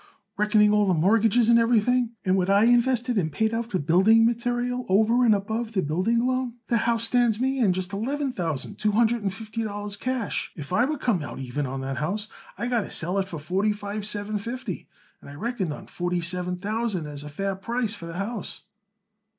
Reckoning all the mortgages and everything, and what I invested and paid out for building material over and above the building loan, that house stands me in just eleven thousand two hundred and fifty dollars cash. If I would come out even on that house I got to sell it for forty five seven fifty, and I reckoned on forty seven thousand as a fair price for the house."